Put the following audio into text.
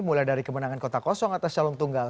mulai dari kemenangan kota kosong atas calon tunggal